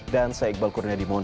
dan saya iqbal kurnia dimun